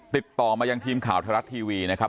จิดต่อไปยังทีมข่าวทรัศน์ทีวีนะครับ